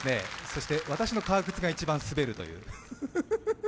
そして、私の革靴が一番滑るという。